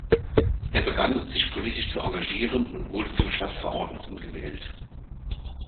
Er begann, sich politisch zu engagieren und wurde zum Stadtverordneten gewählt.